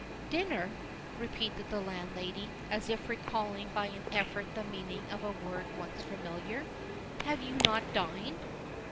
"Dinner!" repeated the landlady, as if recalling by an effort the meaning of a word once familiar. "Have you not dined?"